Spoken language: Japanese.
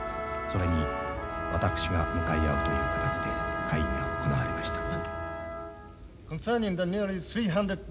それに私が向かい合うという形で会議が行われました」。